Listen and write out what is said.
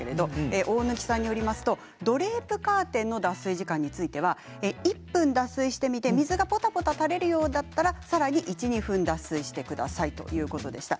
大貫さんによりますとドレープカーテンの脱水時間は１分脱水してみて水がぽたぽた垂れるようだったらさらに１、２分脱水してくださいということでした。